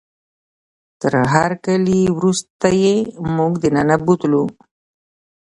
تر هرکلي وروسته یې موږ دننه بوتلو.